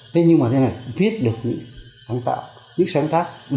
thế nhưng mà thế này viết được những sáng tạo những sáng tác